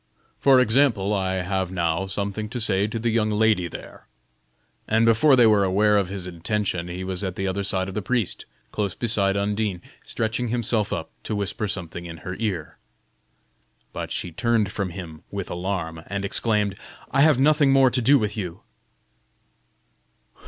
For example, I have now something to say to the young lady there." And before they were aware of his intention, he was at the other side of the priest, close beside Undine, stretching himself up to whisper something in her ear. But she turned from him with alarm, and exclaimed: "I have nothing more to do with you."